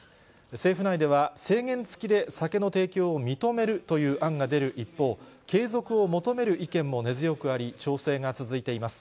政府内では、制限付きで酒の提供を認めるという案が出る一方、継続を求める意見も根強くあり、調整が続いています。